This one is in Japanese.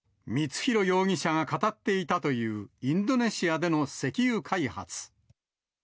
光弘容疑者が語っていたという、インドネシアでの石油開発。